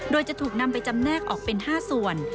โดยจะถูกนำไปจำแนกออกเป็น๕ส่วน